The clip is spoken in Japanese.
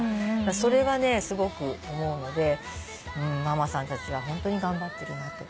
それはねすごく思うのでママさんたちはホントに頑張ってるなと。